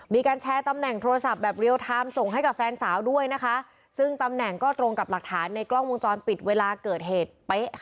มีการแชร์ตำแหน่งโทรศัพท์แบบเรียลไทม์ส่งให้กับแฟนสาวด้วยนะคะซึ่งตำแหน่งก็ตรงกับหลักฐานในกล้องวงจรปิดเวลาเกิดเหตุเป๊ะค่ะ